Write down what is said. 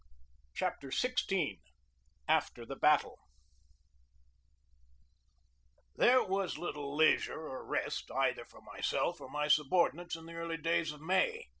CHAPTER XVI AFTER THE BATTLE THERE was little leisure or rest, either for myself or my subordinates, in the early days of May.